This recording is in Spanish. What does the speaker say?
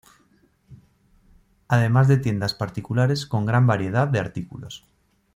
Además de tiendas particulares con gran variedad de artículos.